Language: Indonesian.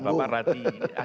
mbak rati agak keliru